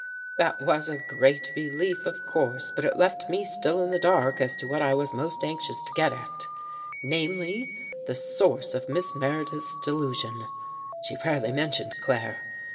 " That was a great relief, of course, but it left me still in the dark as to what I was most anxious to get at; namely, the source of Miss Meredith's delusion. She rarely mentioned Claire.